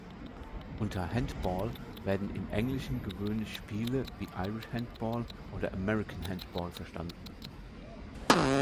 Unter Handball werden im Englischen gewöhnlich Spiele wie Irish Handball oder American Handball verstanden.